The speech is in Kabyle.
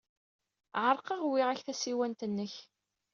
Ɛerqeɣ, uwyeɣ-ak tasiwant-nnek.